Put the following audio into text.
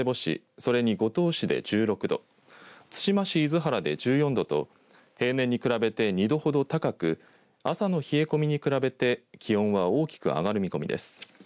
それに五島市で１６度対馬市厳原で１４度と平年に比べて２度ほど高く朝の冷え込みに比べて気温は大きく上がる見込みです。